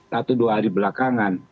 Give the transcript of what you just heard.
satu dua hari belakangan